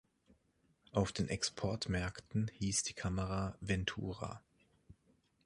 Auf den Exportmärkten hieß die Kamera "Ventura".